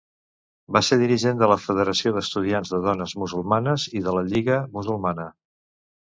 Va ser dirigent de la Federació d'Estudiants de Dones Musulmanes i de la Lliga Musulmana.